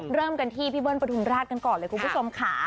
เริ่มกันที่พี่เบิ้ลปฐุมราชกันก่อนเลยคุณผู้ชมค่ะ